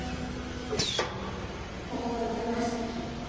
ここも異常なし。